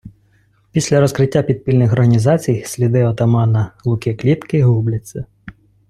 Після розкриття підпільних організацій сліди отамана Луки Клітки губляться.